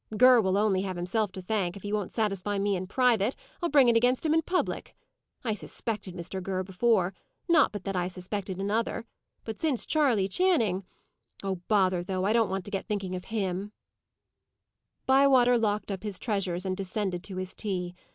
Ger will only have himself to thank; if he won't satisfy me in private, I'll bring it against him in public. I suspected Mr. Ger before; not but that I suspected another; but since Charley Channing Oh! bother, though! I don't want to get thinking of him!" Bywater locked up his treasures, and descended to his tea.